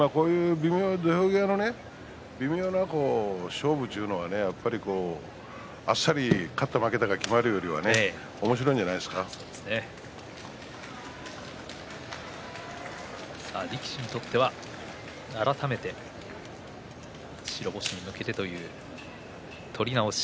土俵際の微妙な勝負というのはあっさり勝った負けたが決まるよりも力士にとっては改めて白星に向けてという取り直し。